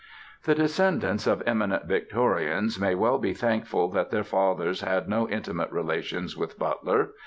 The descendants of eminent Victorians may well be thankful that their fathers had no intimate relations with Butler.